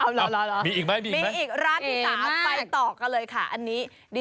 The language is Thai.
เอาละมีอีกไหมร้านพี่สาวไปต่อกันเลยค่ะอันนี้